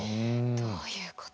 どういうこと？